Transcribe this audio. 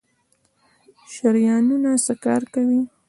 شریانونه څه کار کوي؟